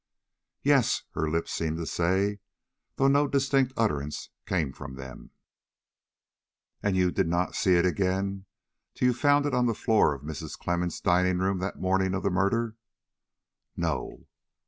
"Yes," her lips seemed to say, though no distinct utterance came from them. "And you did not see it again till you found it on the floor of Mrs. Clemmens' dining room the morning of the murder?" "No."